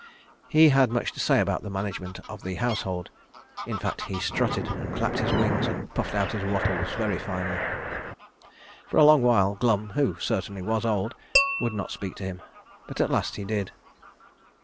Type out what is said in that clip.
He had much to say about the management of the household; in fact he strutted, and clapped his wings, and puffed out his wattles very finely. For a long while Glum, who certainly was old, would not speak to him; but at last he did.